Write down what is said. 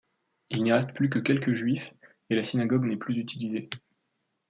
Il n'y reste plus que quelques juifs et la synagogue n'est plus utilisée.